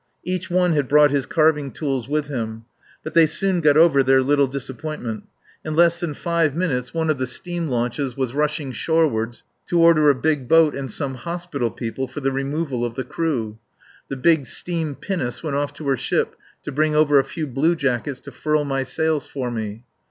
Each one had brought his carving tools with him. But they soon got over their little disappointment. In less than five minutes one of the steam launches was rushing shoreward to order a big boat and some hospital people for the removal of the crew. The big steam pinnace went off to her ship to bring over a few bluejackets to furl my sails for me.